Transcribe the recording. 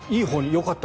よかった。